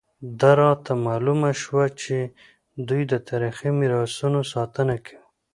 دا راته معلومه شوه چې دوی د تاریخي میراثونو ساتنه کوي.